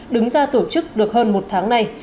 đứng ra tổ chức được hơn một tháng nay